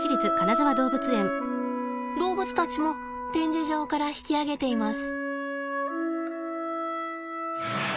動物たちも展示場から引き揚げています。